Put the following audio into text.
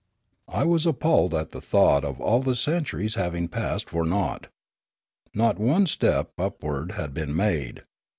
I was appalled at the thought of all the centuries having passed for naught. Not one step upward had been made.